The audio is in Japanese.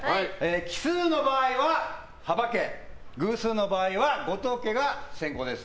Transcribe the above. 奇数の場合は幅家偶数の場合は後藤家が先攻です。